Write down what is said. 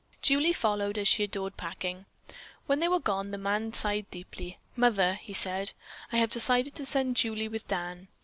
Julie followed, as she adored packing. When they were gone, the man sighed deeply. "Mother," he said, "I have decided to send Julie with Dan.